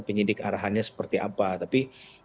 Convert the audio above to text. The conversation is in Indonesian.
penyidik arahannya seperti apa tapi